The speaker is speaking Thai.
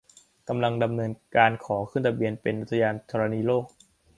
กำลังดำเนินการขอขึ้นทะเบียนเป็นอุทยานธรณีโลก